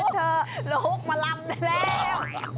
ตื้นเถอะลูกมารับได้แล้ว